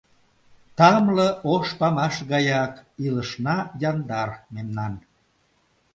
Тамле ош памаш гаяк илышна яндар мемнан.